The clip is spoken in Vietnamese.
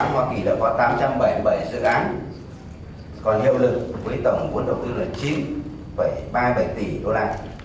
hoa kỳ là có tám trăm bảy mươi bảy dự án còn hiệu lực với tổng vốn đầu tư là chín ba mươi bảy tỷ đô la